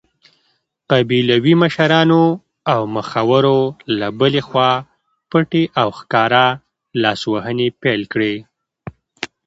قبیلوي مشرانو او مخورو له بلې خوا پټې او ښکاره لاسوهنې پیل کړې.